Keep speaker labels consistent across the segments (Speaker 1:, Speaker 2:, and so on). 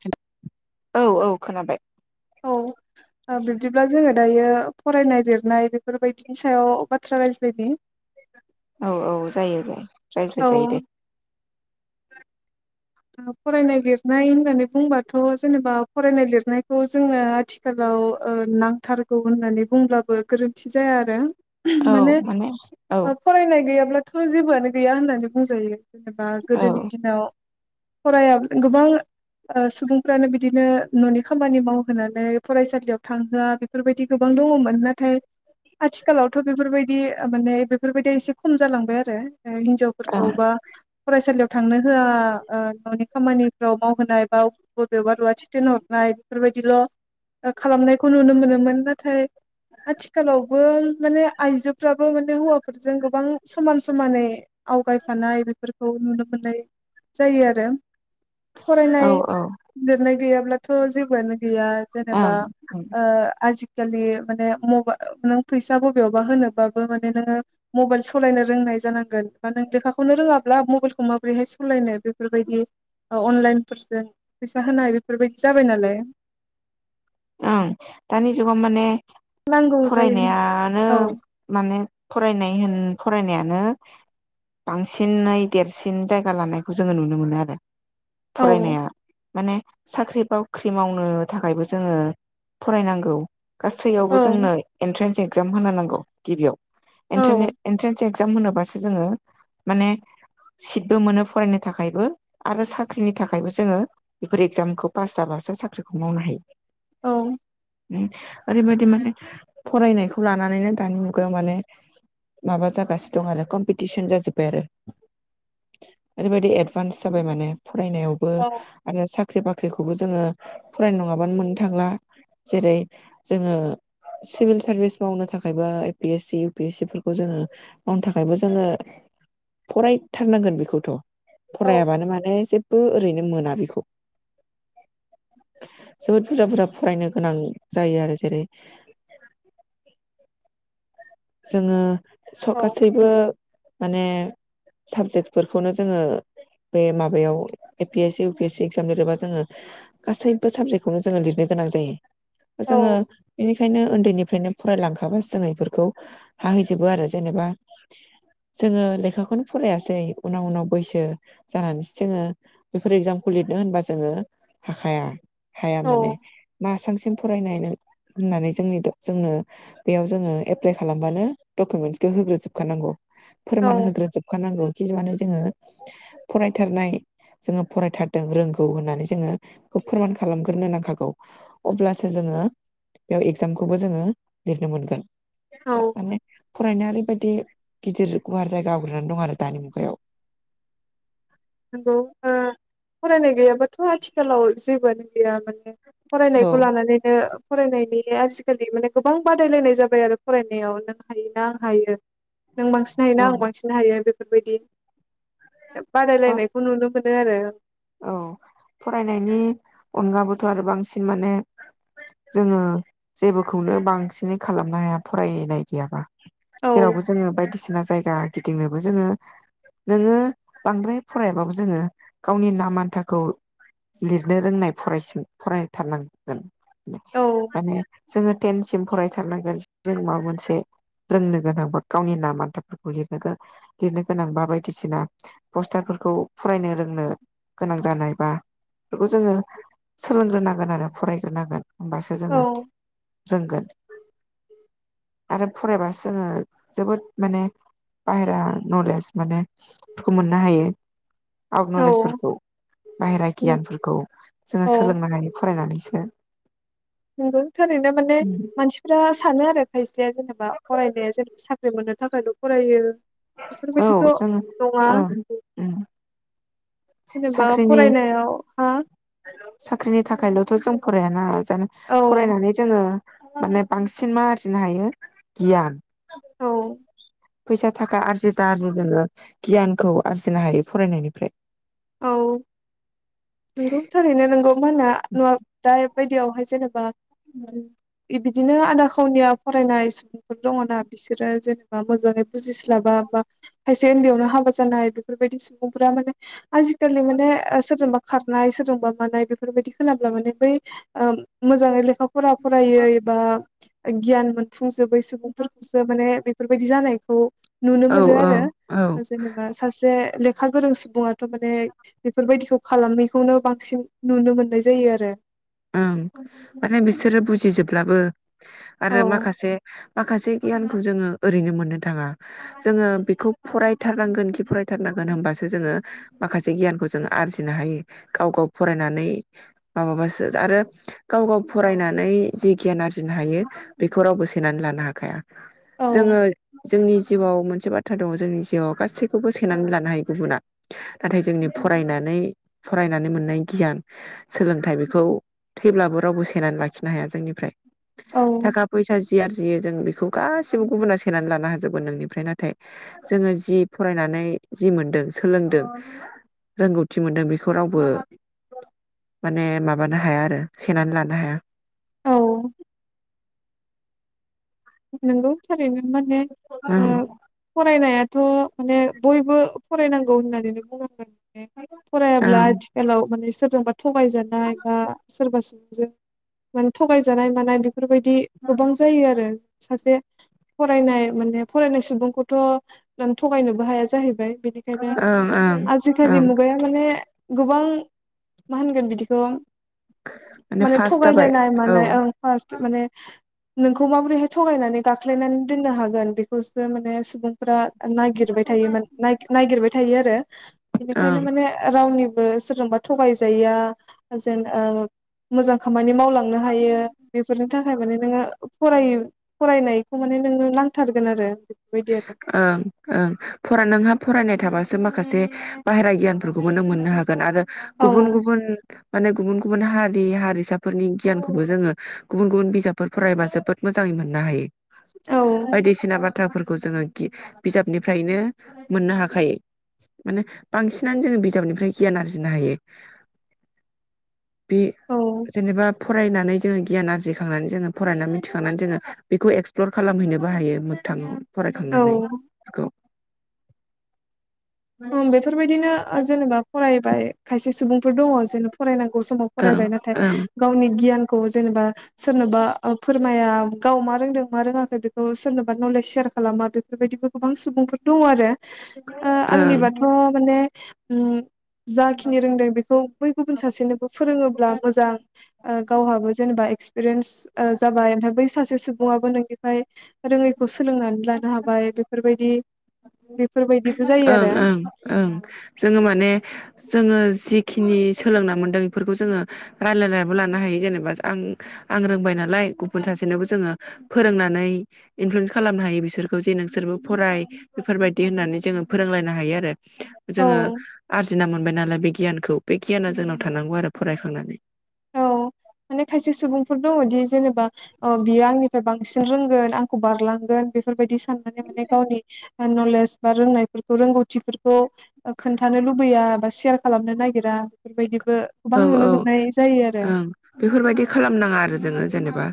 Speaker 1: [unintelligible] औ औ खोनाबाय
Speaker 2: औ बिब्दिब्ला जोङो दायो फरायनाय लिरनाय बेफोरबायदिनि सायाव बाथ्रा रायज्लायनि।
Speaker 1: औ औ जायो जायो रायज्लाय
Speaker 2: औ
Speaker 1: जायो दे।
Speaker 2: फरायनाय लिरनाय होननानै बुंबाथ' जेनेबा फरायनाय लिरनायखौ जोङो आथिखालाव ओ नांथारगौ होननानै बुंब्लाबो गोरोन्थि जाया आरो।
Speaker 1: औ
Speaker 2: माने
Speaker 1: औ
Speaker 2: फरायनाय गैयाब्ला दाथ' जेबोआनो गैया होननानै बुंजायो। जेनेबा गोदोनि
Speaker 1: ओं
Speaker 2: दिनाव फराय गोबां सुबुंफ्रानो बिदिनो न'नि खामानि मावहोनानै फरायसालियाव थांहोआ बेफोरबायदि गोबां दङमोन नाथाय आथिखालावथ' बेफोरबायदि माने बेफोरबायदि एसे खम जालांबाय आरो हिनजावफोरखौ बा फरायसालियाव थांनो होआ ओ न'नि खामानिफ्राव मावहोनाय बा बबेबा रुवाथि थोन हरनाय बेफोरबायदिल' खालामनायखौ नुनो मोनोमोन नाथाय आथिखालावबो माने आइजोफ्राबो माने हौवाफोरजों गोबां समान समानै आवगायफानाय बेफोरखौ नुनो मोननाय जायो आरो।
Speaker 1: औ
Speaker 2: फरायनाय
Speaker 1: औ
Speaker 2: लिरनाय गैयाब्ला ब्लाथ' जेबोआनो गैया जेनेबा
Speaker 1: ओं
Speaker 2: ओ आजि आजिखालि माने मबा नों फैसा बबेयावबा होनोबाबो माने नोङो मबाइल सलायनो रोंनाय जानांगोन बा नों लेखाखौनो रोङाब्ला मबाइलखौ माबोरैहाय सलायनो! बेफोरबायदि ओ अनलाइनफोरजों फैसा होनाय बेफोरबायदि जाबाय नालाय।
Speaker 1: ओं दानि जुगाव माने
Speaker 2: नांगौ जायो
Speaker 1: फरायनायानो
Speaker 2: औ
Speaker 1: माने फरायनाय होन फरायनायानो बांसिनै देरसिन जायगा लानायखौ जोङो नुनो मोनो आरो।
Speaker 2: औ
Speaker 1: फरायनाया माने साख्रि बाख्रि मावनो थाखायबो जोङो फरायनांगौ।
Speaker 2: औ
Speaker 1: गासैयावबो जोंनो एनट्रेन्स एगजाम होनो नांगौ गिबियाव
Speaker 2: औ
Speaker 1: एन्ट्रेन-एन्ट्रेन्स एगजाम होनोबासो जोङो माने सिटबो मोनो फरायनो थाखायबो आरो साख्रिनि थाखायबो जोङो बेफोर एगजामखौ पास जाबासो साख्रिखौ मावनो हायो।
Speaker 2: औ
Speaker 1: उम ओरैबायदि माने फरायनायखौ लानानैनो दानि मुगायाव माने माबा जागासिनो दं आरो कम्पिटिसन जाजोब्बाय आरो ओरैबायदि एदभान्स जाबाय माने फरायनायावबो
Speaker 2: औ
Speaker 1: आरो साख्रि बाख्रि खौबो जोङो फरायनाय नङा। बानो मोननो थांला जेरै जोङो सिभिल सारभिस मावनो थाखायबो A P S C U P S C फोरखौ जोङो मावनो थाखायबो जोङो फरायथारनांगोन बेखौथ' फरायाबानो माने जेबबो बो ओरैनो मोना बेखौ जोबोद बुरजा बुरजा फरायनो गोनां जायो आरो जेरै जोङो स
Speaker 2: औ
Speaker 1: गासैबो माने साबजेक्टफोरखौनो जोङो बे माबायाव A P S C U P S C exam लिरोबा जोङो गासैबो साबजेक्टखौनो जोङो लिरनो गोनां जायो जोङो बेनिखायनो उन्दैनि बेफ्रायनो फरायलांखाबा जों इफोरखौ हाहैजोबो आरो जेनेबा जोङो लेखाखौनो फरायासै उनाव उनाव बैसो जानानैसो जोङो बेफोर एगजामखौ लिरनो होनबा जोङो हाखाया हाया माने मा आसामसिम फरायनाय होननानै जोंनि जोंनो बेयाव जोङो ए प्लाइ खालामबानो डकुमेन्टसखौ होग्रोजोबखानांगौ।
Speaker 2: औ
Speaker 1: फोरमान होग्रोजोबखानांगौ खि माने जोङो फरायथारनाय जोङो फरायथारदों रोंगौ होननानै जोङो बेखौ फोरमान खालामग्रोनो नांखागौ अब्लासो जोङो बेयाव एगजामखौबो जोङो लिरनो मोनगोन।
Speaker 2: औ
Speaker 1: माने फरायनाया ओरैबायदि गिदिर गुवार जाय गावग्रोनानै दं आरो दानि मुगायाव
Speaker 2: नंगौ ओ। फरायनाय गैयाबाथ' आथिखालाव जेबोआनो गैया माने
Speaker 1: औ
Speaker 2: फरायनायखौ लानानैनो फरायनायनि आजिखालि माने गोबां बादायलायनाय जाबाय आरो फरायनायाव नों हायो ना आं हायो नों बांसिन हायोना आं बांसिन हायो बे बेफोरबायदि लाय
Speaker 1: औ
Speaker 2: नाय खुनुनो मोनो आरो।
Speaker 1: औ फरायनायनि अनगाबोथ' आरो बांसिन माने जोङो जेबोखौनो बांसिनै खालामनो हाया फरायनाय गैयाबा
Speaker 2: औ
Speaker 1: जेरावबो जोङो बायदिसिना जायगा गिदिंनोबो जोङो नोङो बांद्राय फरायाबाबो जोङो गावनि नाम मान्थाखौ लिरनो रोंनाय फरायसो फरायथारनांगोन।
Speaker 2: औ
Speaker 1: माने जोङो थेनस म फरायथारनांगोन जों माबा मोनसे रोंनो गोनांबा गावनि नाम आन्थाफोरखौ लनो लिरनो गोनां बा बायदिसिना पस्टारफोरखौ फरायनो रोंनो गोनां जानाय बा बेफोरखौ जोङो सोलोंग्रोनांगोन आरो फरायग्रोनांगोन। होमबासो
Speaker 2: औ
Speaker 1: जोङो रोंगोन। आरो फरायबासो जोङो जोबोद माने बाहेरा नलेज माने बेखौ मोननो हायो। आवथ
Speaker 2: औ
Speaker 1: नलेजफोरखौ बाहेरा गियानफोरखौ जोङो
Speaker 2: औ
Speaker 1: सोलोंनो हायो फरायनानैसो।
Speaker 2: नंगौ [unintelligible] बे जेनेबा फरायनाया जे साख्रि मोनो थाखायल' फरायो
Speaker 1: औ
Speaker 2: बेफोरबायदिथ'
Speaker 1: जोङो
Speaker 2: नङा
Speaker 1: ओं
Speaker 2: जेनेबा
Speaker 1: साख्रिनि
Speaker 2: फरायनायाव हा
Speaker 1: साख्रिनि थाखायल'थ' जों फरायाना दानो
Speaker 2: औ
Speaker 1: फरायनानै जोङो माने बांसिन मा आरजिनो हायो गियान।
Speaker 2: औ
Speaker 1: फैसा थाखा आरजि दा आरजि जोङो गियानखौ आरजिनो हायो फरायनायनिफ्राय।
Speaker 2: औ नोंगौ थारैनो नोंगौ। मा होनो [unintelligible] बादियावहाय जेनेबा ओम। बिदिनो आदा खावनिया फरायनाय सुबुंफोर दङ ना बिसोरो जेनेबा मोजाङै बुजिस्लाबा बा खायसे उन्दैयावनो हाबा जानाय बेफोरबायदि सुबुंफोरा माने आजि खालि माने सोरजोंबा खारनाय सोरजोंबा माबानाय बेफोरबादि खोनाब्ला माने बै ओ मोजाङै लेखा फरा फरायै बा गियान सुफुंजोबै सुबुंफोरखौसो माने बेफोरबायदि जानायखौ [unintelligible] नुनो
Speaker 1: औ
Speaker 2: मोनो
Speaker 1: औ
Speaker 2: आरो,
Speaker 1: औ
Speaker 2: जेनेबा सासे लेखा गोरों सुबुङा थारमाने बेफोरबायदिखौ खालामैखौनो बांसिन नुनो मोननाय जायो आरो।
Speaker 1: ओं माने बिसोरो बुजिजोबब्लाबो
Speaker 2: औ
Speaker 1: आरो माखासे माखासे गियानखौ जोङो ओरैनो मोननो थाङा। जोङो बेखौ फरायथारनांगोनखि फरायथारनांगोन होनबासो जोङो माखासे गियानखौ जोङो आरजिनो हायो। गाव गाव फरायनानै माबाबासो आरो गाव गाव फरायनानै जि गियान आरजिनो हायो बेखौ रावबो सेनानै लानो हाखाया।
Speaker 2: औ
Speaker 1: जोङो जोंनि जिउआव मोनसे बाथ्रा दङ जोंनि जिउआव गासैखौबो सोनानै लानो हायो गुबुना नाथाय जोंनि फरायनानै फरायनानै मोननाय गियान सोलोंथाइ बे खौ थैब्लाबो रावबो सेनानै लाखिनो हाया जोंनिफ्राय।
Speaker 2: औ
Speaker 1: थाखा फैसा जि आरजियो जों बे बेखौ गासिबो गुबुनााव सेनानै लानो हाजोबगोन नोंनिफ्राय नाथाय जोङो जि फरायनानै जि मोनदों सोलोंदों रोंगौथि मोनदों बेखौ रावबो माने मा माबानो हाया आरो सेेनानै लानो हाया।
Speaker 2: औ नोंगौ थारैनो माने
Speaker 1: ओं
Speaker 2: फरायनाया थ' माने बयबो फरायनांगौ होननानैनो बुंनांगोन। फरायाब्ला
Speaker 1: ओं
Speaker 2: आथिखालाव माने सोर जोंबा थगायजानाय बा सोरबा सुबुंजों माने थगाय जानाय मानाय बेफोरबायदि गोबां जायो आरो। सासे फरायनाय माने फरायनाय सुबुंखौथ माने थगायनोबो हाया जाहैबाय। बिनिखायनो
Speaker 1: ओं ओं
Speaker 2: आजिखालि
Speaker 1: ओं
Speaker 2: मुगाया माने गोबां मा होनगोन बिदिखौ माने
Speaker 1: फार्स्ट जाबाय
Speaker 2: थगायलायनाय
Speaker 1: औ
Speaker 2: मानाय ओं फार्स्ट माने नोंखौ माबोरै हाय थगायनानै गाख्लायनानै दोननो हागोन बेखौसो माने सुबुंफोरा नागिरबाय थायो नागिरबाय थायो आरो बेनिखायनो
Speaker 1: ओं
Speaker 2: माने रावनि बो सोरजोंबा थगाय जाया जेन मोजां खामानि मावलांनो हायो बेफोरनि थाखाय माने नोङो फरायो फरायनायखौ माने नोंनो नांथारगोन आरो बेफोरबायदि आरो
Speaker 1: ओं ओं फरा नोंहा फरायनाय थाबा सो माखासे बाहेरा गियानफोरखौबो नों मोननो हागोन आरो
Speaker 2: औ
Speaker 1: गुबुन गुबुन माने गुबुन गुबुन हारि हारिसाफोरनि गियानखौबो जोङो गुबुन गुबुन बिजाबफोर फरायबा जोबोद मोजाङै मोननो हायो।
Speaker 2: औ
Speaker 1: बायदिसिना बा थ्राफोरखौ जोङो गि बिजाबनिफ्रायनो मोननो हाखायो। मानो बांसिनानो जोङो बिजाबनिफ्राय गियान आरजिनो हायो। बे
Speaker 2: औ
Speaker 1: जेनेबा फरायनानै जोङो गियान आरजिखांनानै जोङो फरायनानै मिथिखांनानै जोङो बेखौ एक्सप्लर खालामहैनोबो हायो। थां फरायखांनानै औ
Speaker 2: ओं बेफोरबायदिनो जेनेबा फरायबाय खायसे सुबुंफोर दङ' जेन फरायनांगौ समाव
Speaker 1: ओं
Speaker 2: फरायबाय। नाथाय
Speaker 1: ओं
Speaker 2: गावनि गियानखौ जेनेबा सोरनोबा ओ फोरमाया गाव मा रोंदों मा रोङाखै बेखौ सोरनोबा नलेज सेयार खालामा बेफोरबायदिबो गोबां सुबुंफोर दङ' आरो ओ
Speaker 1: [inaudible]
Speaker 2: आंनिबाथ' माने उम। जाखिनि रोंदों बेखौ बै गुबुन सासेनोबो फोरोङोब्ला मोजां। ओ गावहाबो जेनेबा एक्सपिरियेन्स जाबाय ओमफ्राय बै सासे सुबुङाबो नोंनिफ्राय रोङैखौ सोलोंनानै लानो हाबाय बेफोरबायदि बेफोरबायदिबो जायो
Speaker 1: ओं
Speaker 2: आरो
Speaker 1: ओं ओं जोङो माने जोङो जि खिनि सोलोंना मोनदों बेफोरखौ जोङो रायलायनाबो लानो हायो जेनेबा आं आं रोंबाय नालाय गुबुन सासेनोबो जोङो फोरोंनानै इनफ्लुयेन्स खालामनो हायो बिसोरखौ जे नोंसोरबो फराय बेफोरबायदि होननानै जोङो फोरोंलायनो हायो आरो जोङो
Speaker 2: औ
Speaker 1: आरजिना मोन बाय नालाय बे गियानखौ। बे गियाना जोंनाव थानांगौ आरो फरायखांनानै।
Speaker 2: औ माने खायसे सुबुंफोर दङदि जेनेबा अ बियो आंनिफ्राय बां सिन रोंगोन आंखौ बारलांगोन बेफोरबायदि साननानै माने गावनि बा नलेज बा रोंनायफोरखौ रोंगौथिफोरखौ खोन्थानो लुबैया बा सेयार खालामनो नागिरा। बेफोरबायदिबो गोबां
Speaker 1: औ
Speaker 2: नुनो
Speaker 1: औ
Speaker 2: मोननाय जायो आरो।
Speaker 1: ओं बेफोरबायदि खालामनाङा आरो जोङो जेनेबा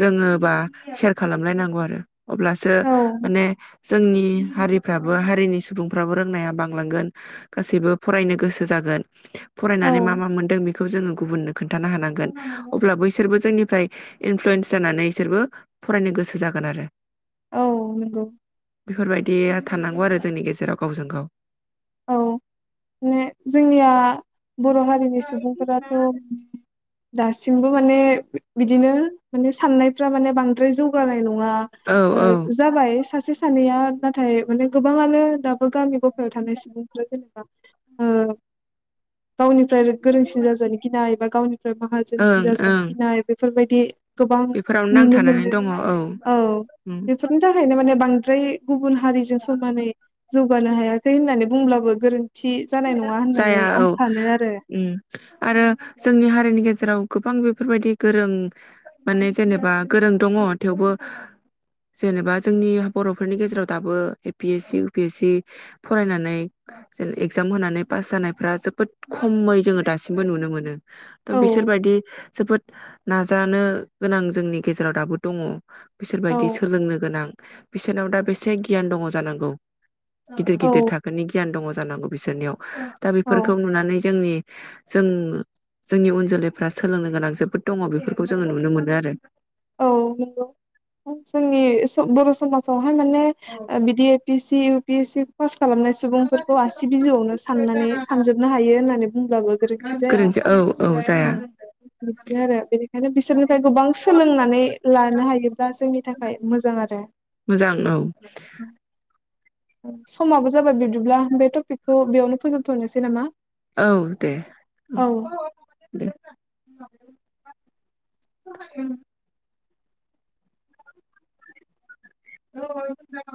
Speaker 1: रोङोबा सेयार खालामलायनांगौ आरो। अब्लासो
Speaker 2: औ
Speaker 1: माने जोंनि हारिफ्राबो हारिनि सुबुंफ्राबो रोंनाया बांलांगोन गासैबो फरायनो गोसो जागोन। थानो हानांगोन अब्ला बैसोरबो जोंनिफ्राय इनफ्लुयेन्स जानानै बिसोरबो फरायनो गोसो जागोन आरो।
Speaker 2: औ नंगौ
Speaker 1: बेफोरबायदि थानांगौ आरो जोंनि गेजेराव गावजों गाव।
Speaker 2: औ माने जोंनिया बर' हारिनि सुबुंफोराथ'। दासिमबो माने बि-बिदिनो माने साननायफ्रा माने बांद्राय जौगानाय न ङा
Speaker 1: औ
Speaker 2: ओ
Speaker 1: औ
Speaker 2: जाबाय सासे सानैया नाथाय माने गोबाङानो दा बो गामि गफायाव थानाय सु [inaudible] ओ गावनि। फ्राय गोरोंसिन जाजानो गिनाय बा गावनिफ्राय माहाजोनसिन
Speaker 1: ओं
Speaker 2: जाजानो
Speaker 1: ओं
Speaker 2: गिनाय बेफोरबायदि। दि गोबां
Speaker 1: बेफोरावनो
Speaker 2: नुनो
Speaker 1: नांथानानै
Speaker 2: मोनो
Speaker 1: दङ औ
Speaker 2: औ
Speaker 1: उम
Speaker 2: बेफोरनि थाखायनो माने बांद्राय गुबुन हारिजों समानै जौ बानो हायाखै होननानै बुंब्लाबो गोरों
Speaker 1: जाया औ
Speaker 2: आरो
Speaker 1: उम आरो जोंनि हारिनि गेजेराव गोबां बेफोरबायदि गोरों माने जेनेबा गोरों दङ थेवबो जेनेबा जोंनि बर'फोरनि गेजेराव दाबो ए-पि-एस-सि उ-पि-एस-सि फरायनानै जेन एगजाम होनानै पास जानायफ्रा जोबोद खमै जोङो दासिमबो नुनो मोनो। थ
Speaker 2: औ
Speaker 1: बिसोरबायदि जोबोद नाजानो गोनां जोंनि गेजेराव दाबो दङ।
Speaker 2: औ
Speaker 1: बिसोरबायदि सोलोंनो गोनां। बिसोरनाव दा बेसे गियान दङ जानांगौ। गिदिर
Speaker 2: औ
Speaker 1: गिदिर थाखोनि। गियान दङ जानांगौ। बिसोरनियाव दा
Speaker 2: औ
Speaker 1: बेफोरखौ नुनानै जोंनि जों जोंनि उन जोलैफ्रा सोलोंनो गोनां जोबोद दङ बेफोरखौ जोङो नुनो मोनो आरो
Speaker 2: औ नंगौ जोंनि स बर समाजाव माने बिदि A P S C U P S C बस खालामनाय सुबुंफोरखौ आसि बिजौआवनो साननानै सानजोबनो हायो होननानै बुंब्लाबो गोरोन्थि जाया औ बिदिनो आरो बेनिखायनो बिसोरनिफ्राय गोबां सोलोंनानै लानो हायोब्ला जोंनि थाखाय मोजां आरो
Speaker 1: मोजां औ
Speaker 2: समाबो जाबाय बिब्दिब्ला बे टपिकखौ बेयावनो फोजोबथनोसै नामा?
Speaker 1: औ दे
Speaker 2: औ
Speaker 1: ओम दे [unintelligible] [unintelligible]